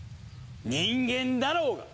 人間だろうが！